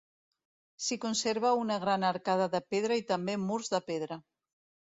S'hi conserva una gran arcada de pedra i també murs de pedra.